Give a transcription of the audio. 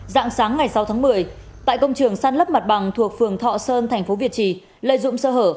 giạng sáng ngày sáu tháng một mươi tại công trường săn lấp mặt bằng thuộc phường thọ sơn tp việt trì lợi dụng sơ hở